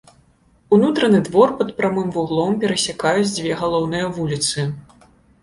Унутраны двор пад прамым вуглом перасякаюць дзве галоўныя вуліцы.